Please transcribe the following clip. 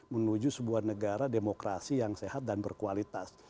menuju sebuah negara demokrasi yang sehat dan berkualitas